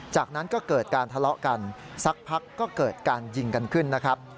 จากนั้นก็เกิดการทะเลาะกันสักพักก็เกิดการยิงกันขึ้นนะครับ